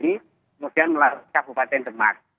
kemudian melalui kabupaten demak